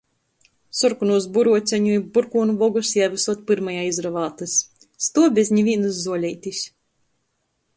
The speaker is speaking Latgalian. Sorkonūs buruoceņu i burkuonu vogys jai vysod pyrmajai izravātys, stuov bez nivīnys zuoleitis.